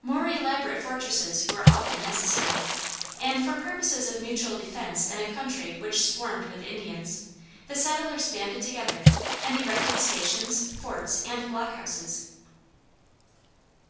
More elaborate fortresses were often necessary, and, for purposes of mutual defence in a country which swarmed with Indians, the settlers banded together and erected stations, forts, and block houses. [Footnote: DeHass.